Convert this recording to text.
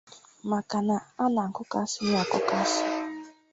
maka na a na-akpụkàsị ya akpụkasị